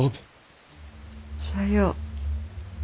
さよう。